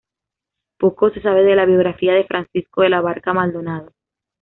Poco se sabe de la biografía de Francisco de la Barca Maldonado.